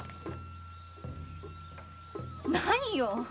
何よ！